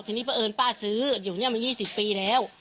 ทีนี้เพราะเอิญป้าซื้ออยู่เนี้ยมันยี่สิบปีแล้ว